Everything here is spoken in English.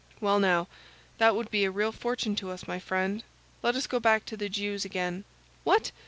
Well, now, that would be a real fortune to us, my friend; let us go back to the Jew's again." "What!